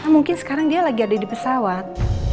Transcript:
mungkin sekarang dia lagi ada di pesawat